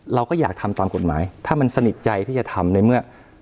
เราก็อยากทำตามกฎหมายถ้ามันสนิทใจที่จะทำในเมื่อ